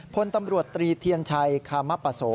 พลตำรวจตรีเทียนชัยคามปโส